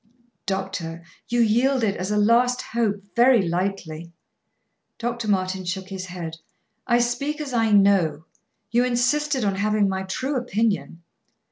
"Doctor! You yield it, as a last hope, very lightly." Dr. Martin shook his head. "I speak as I know. You insisted on having my true opinion."